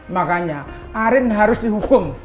makanya arief harus dihukum